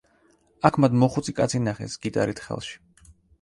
აქ მათ მოხუცი კაცი ნახეს გიტარით ხელში.